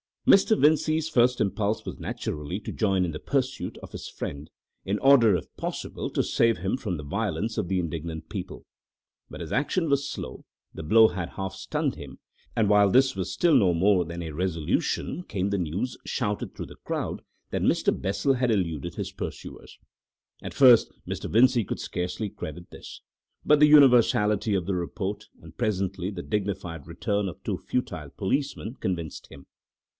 Mr. Vincey's first impulse was naturally to join in the pursuit of his friend, in order if possible to save him from the violence of the indignant people. But his action was slow, the blow had half stunned him, and while this was still no more than a resolution came the news, shouted through the crowd, that Mr. Bessel had eluded his pursuers. At first Mr. Vincey could scarcely credit this, but the universality of the report, and presently the dignified return of two futile policemen, convinced him.